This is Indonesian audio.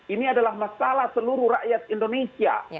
ini adalah masalah seluruh rakyat indonesia